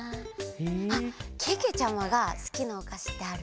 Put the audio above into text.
あっけけちゃまがすきなおかしってある？